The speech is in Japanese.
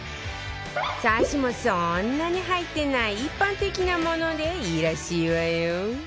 サシもそんなに入ってない一般的なものでいいらしいわよ